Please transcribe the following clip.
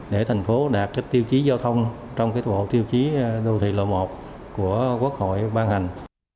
để thành phố đạt tiêu chí giao thông trong bộ tiêu chí đô thị lộ một của quốc hội ban hành